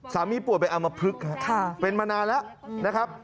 สามีปวดไปเอามาพลึกครับเป็นมานานแล้วนะครับ